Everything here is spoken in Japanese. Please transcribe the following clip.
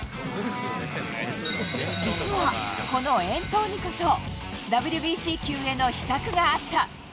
実は、この遠投にこそ、ＷＢＣ球への秘策があった。